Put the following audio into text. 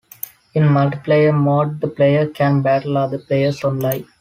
In multiplayer mode the player can battle other players online.